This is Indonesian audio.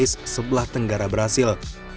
sebelah tenggara brazil